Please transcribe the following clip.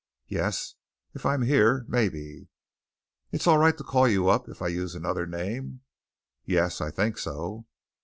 "Yes, if I'm here, maybe." "It's all right to call you up if I use another name?" "Yes, I think so."